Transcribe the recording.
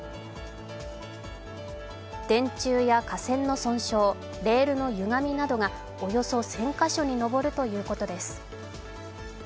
電柱や架線の損傷、レールのゆがみなどがおよそ１０００カ所に上るということです。